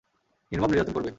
নির্মম নির্যাতন করবে।